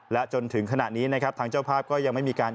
และจนถึงขนาดนี้ทางเจ้าภาพก็ยังไม่มีการ